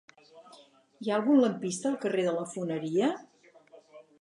Hi ha algun lampista al carrer de la Foneria?